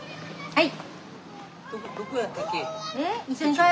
はい。